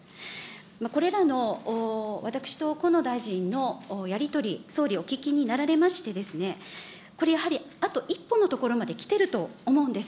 これらの私と河野大臣のやり取り、総理、お聞きになられまして、これやはり、あと一歩の所まで来てると思うんです。